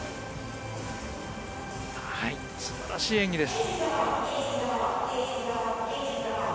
素晴らしい演技です。